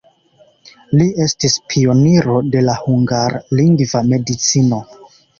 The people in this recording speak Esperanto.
Li estis pioniro de la hungarlingva medicino.